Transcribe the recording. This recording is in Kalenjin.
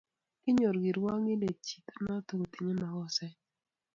Kinyor kirwakindet chi notok kotindo makosait